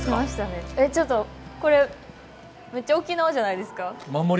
えっちょっとこれむっちゃ沖縄じゃないですか。